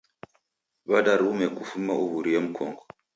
Wadarume kufuma uw'urie mkongo.